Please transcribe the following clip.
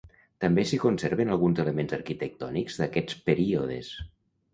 També s'hi conserven alguns elements arquitectònics d'aquests períodes.